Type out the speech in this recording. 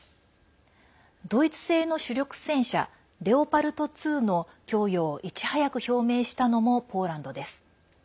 ドイツ製の主力戦車レオパルト２の供与をいち早く表明したのもポーランドです。